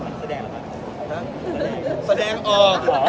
แฟนแสดงออก